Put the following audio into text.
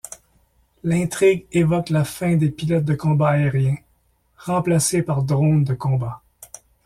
L'intrigue évoque la fin des pilotes de combats aériens, remplacés par drones de combat.